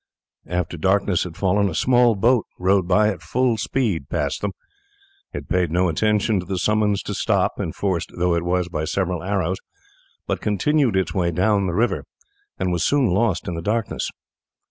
After darkness had fallen a small boat rowed at full speed past them. It paid no attention to the summons to stop, enforced though it was by several arrows, but continued its way down the river, and was soon lost in the darkness.